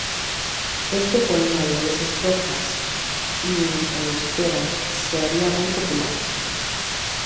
Este poema de diez estrofas y en euskera, se haría muy popular.